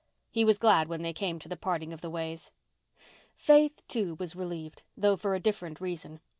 He was glad when they came to the parting of the ways. Faith, too, was relieved, though for a different reason.